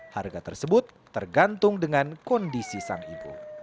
harga tersebut tergantung dengan kondisi sang ibu